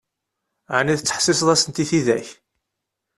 Ɛni tettḥessiseḍ-asent i tidak?